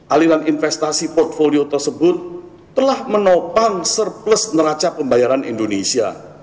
aliran investasi portfolio tersebut telah menopang surplus neraca pembayaran indonesia